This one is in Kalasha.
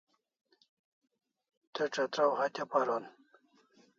Te chatraw hatya paron